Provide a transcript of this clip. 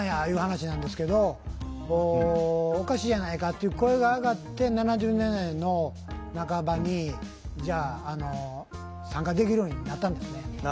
いう話なんですけど「おかしいやないか」っていう声が上がって７０年代の半ばにじゃああの参加できるようになったんですね。